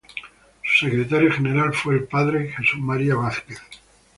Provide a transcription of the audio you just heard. Su secretario general fue el Padre Jesús María Vázquez.